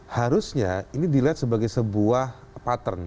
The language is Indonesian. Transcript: harusnya ini dilihat sebagai sebuah pattern